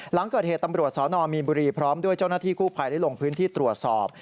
หลังเกิดเหตุตำรวจสนมีนบุรีพร้อมด้วยเจ้าหน้าที่กู้ภัยได้ลงพื้นที่ตรวจสอบ